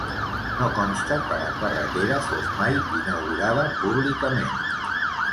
No consta que la carretera fos mai inaugurada públicament.